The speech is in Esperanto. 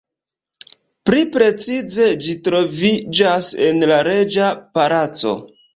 Pli precize ĝi troviĝas en la reĝa palaco.